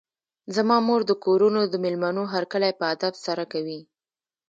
زما مور د کورونو د مېلمنو هرکلی په ادب سره کوي.